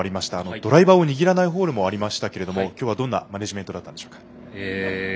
ドライバーを握らないホールもありましたが今日はどんなマネージメントだったでしょうか。